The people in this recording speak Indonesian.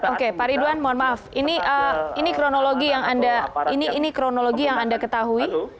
oke pak ridwan mohon maaf ini kronologi yang anda ketahui